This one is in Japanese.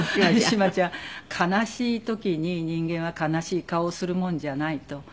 悲しい時に人間は悲しい顔をするもんじゃない」と。